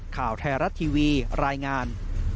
ข่าวไทยรัฐทีวีรายงาน